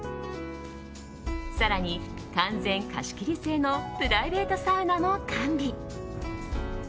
更に、完全貸し切り制のプライベートサウナも完備。